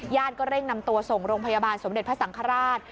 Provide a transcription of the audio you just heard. ก็เร่งนำตัวส่งโรงพยาบาลสมเด็จพระสังฆราช